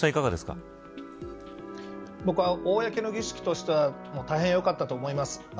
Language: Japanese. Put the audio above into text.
僕は公の儀式としては大変よかったと思います。